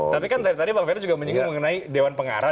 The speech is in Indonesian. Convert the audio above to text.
tapi kan tadi bang ferry juga menyinggung mengenai dewan pengarah